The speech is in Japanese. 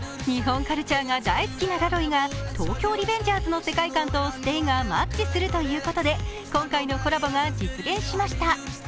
日本カルチャーが大好きなラロイが「東京リベンジャーズ」の世界観と「ステイ」がマッチするということで、今回のコラボが実現しました。